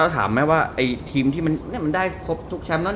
ถามเลยนะทีมที่ได้ครบทุกแชมป์แล้วสิ